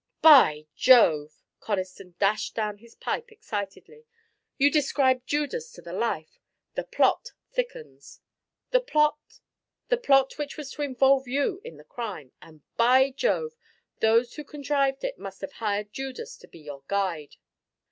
"By Jove!" Conniston dashed down his pipe excitedly. "You describe Judas to the life. The plot thickens." "The plot " "The plot which was to involve you in the crime, and, by Jove! those who contrived it must have hired Judas to be your guide."